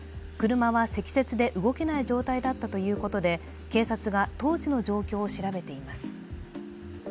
車は積雪で動けない状態だったということで、警察が当時の状況を調べています。